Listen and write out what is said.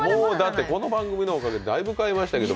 この番組のおかげで、だいぶ買いましたけど。